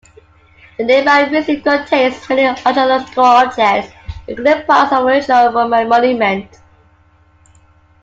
The nearby museum contains many archaeological objects, including parts of the original Roman monument.